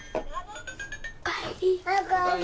おかえり。